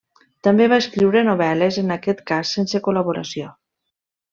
També va escriure novel·les, en aquest cas sense col·laboració.